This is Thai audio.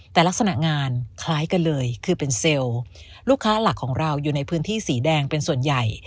แต่ลักษณะงานคล้ายกันเลยคือเป็นเซลล์ลูกค้าหลักของเราอยู่ในพื้นที่สีแดงเป็นส่วนใหญ่